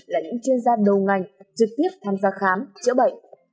là những chuyên gia đầu ngành trực tiếp tham gia khám chữa bệnh